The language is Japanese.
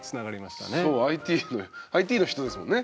そうＩＴＩＴの人ですもんね。